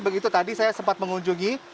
begitu tadi saya sempat mengunjungi